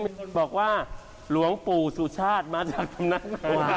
มีคนบอกว่าล้วงปู่สุชาติมาจากธรรมนักน้ำ